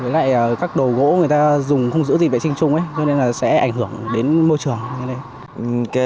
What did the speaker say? với lại các đồ gỗ người ta dùng không giữ gì vệ sinh chung cho nên sẽ ảnh hưởng đến môi trường